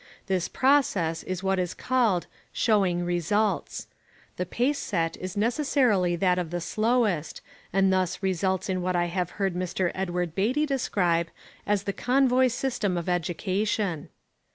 This process is what is called "showing results." The pace set is necessarily that of the slowest, and thus results in what I have heard Mr. Edward Beatty describe as the "convoy system of education."